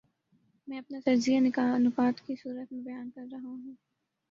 میں اپنا تجزیہ نکات کی صورت میں بیان کر رہا ہوں۔